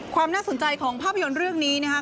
ความน่าสนใจของภาพยนตร์เรื่องนี้นะครับ